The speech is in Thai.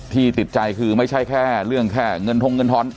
ติดใจคือไม่ใช่แค่เรื่องแค่เงินทงเงินทอน